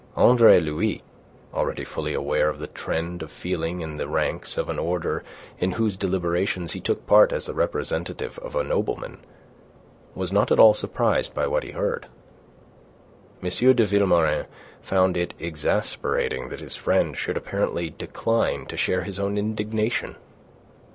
Andre Louis, already fully aware of the trend of feeling in the ranks of an order in whose deliberations he took part as the representative of a nobleman, was not at all surprised by what he heard. M. de Vilmorin found it exasperating that his friend should apparently decline to share his own indignation.